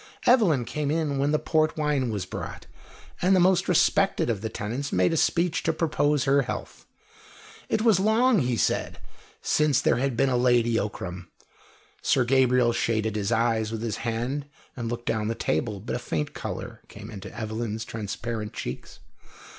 Evelyn came in when the port wine was brought, and the most respected of the tenants made a speech to propose her health. It was long, he said, since there had been a Lady Ockram. Sir Gabriel shaded his eyes with his hand and looked down at the table, but a faint colour came into Evelyn's transparent cheeks.